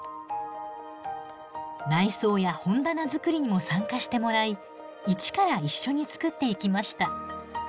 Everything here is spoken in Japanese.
内装や本棚作りにも参加してもらい一から一緒に作っていきました。